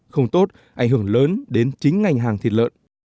không tốt ảnh hưởng lớn đến chính ngành hàng thịt lợn